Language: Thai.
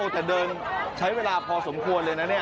แต่เดินใช้เวลาพอสมควรเลยนะเนี่ย